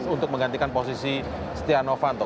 untuk menggantikan posisi stiano vanto